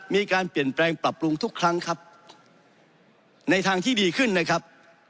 มีการเปลี่ยนแปลงปรับปรุงทุกครั้งครับในทางที่ดีขึ้นนะครับ